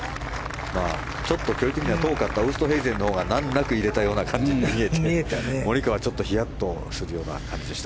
ちょっと距離的には遠かったウーストヘイゼンのほうが難なく入れたような感じに見えてモリカワはヒヤッとするような感じでした。